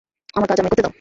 আমার কাজ আমায় করতে দাও।